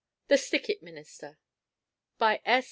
THE STICKIT MINISTER By S.